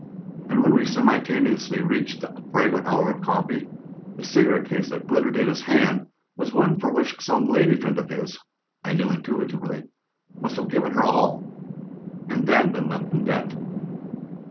And when we simultaneously reached the fragrant hour of coffee, the cigarette case that glittered in his hand was one for which some lady friend of his (I knew intuitively) must have given her All and then been left in debt.